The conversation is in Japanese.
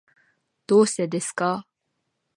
どうしてですか？